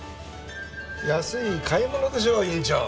安い買い物でしょう院長。